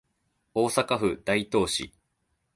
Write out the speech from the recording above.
大阪府大東市